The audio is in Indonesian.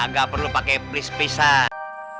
gak perlu pakai please pisah